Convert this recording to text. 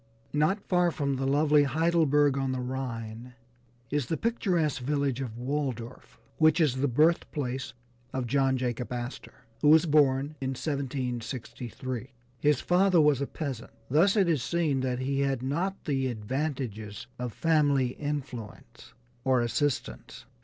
Not far from the lovely Heidelberg on the Rhine, is the picturesque village of Walldorf, which is the birth place of John Jacob Astor, who was born in 1763. His father was a peasant, thus it is seen that he had not the advantages of family influence or assistance.